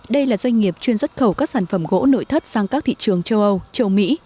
đây là doanh nghiệp chuyên xuất khẩu các sản phẩm gỗ nội thất sang các thị trường châu âu châu mỹ